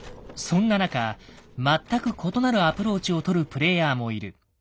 そんな中全く異なるアプローチをとるプレイヤーもいる。